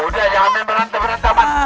udah jangan main berantem berantem pak